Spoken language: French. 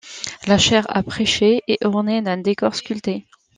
La chaire à prêcher est ornée d'un décor sculpté.